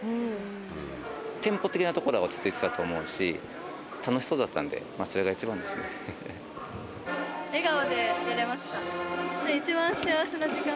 テンポ的なところは落ち着いてたと思うし、楽しそうだったん笑顔でやれました。